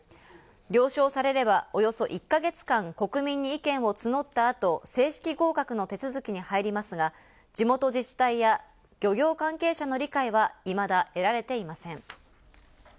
了承されればおよそ１か月間、国民に意見を募った後、正式合格の手続きに入りますが、地元自治体や漁業関係者の理解はいまだ得られていません。